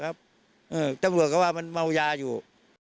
ฮึตัวเนี่ยเขาว่ามันเมาะยาอยู่